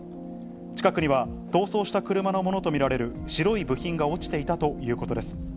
近くには逃走した車のものと見られる白い部品が落ちていたということです。